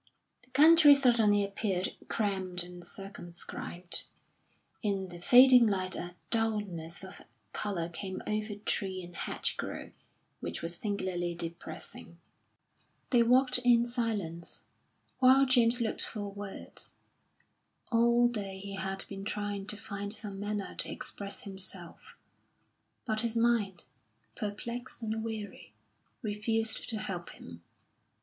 The country suddenly appeared cramped and circumscribed; in the fading light a dulness of colour came over tree and hedgerow which was singularly depressing. They walked in silence, while James looked for words. All day he had been trying to find some manner to express himself, but his mind, perplexed and weary, refused to help him.